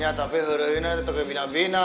ya tapi harinya tetep kebina bina